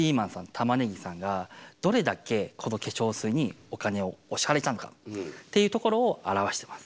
たまねぎさんがどれだけこの化粧水にお金をお支払いしたのかっていうところを表してます。